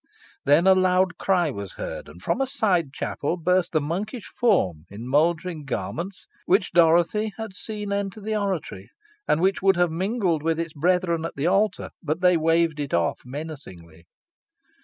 Then a loud cry was heard, and from a side chapel burst the monkish form, in mouldering garments, which Dorothy had seen enter the oratory, and which would have mingled with its brethren at the altar, but they waved it off menacingly.